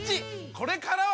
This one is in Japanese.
これからは！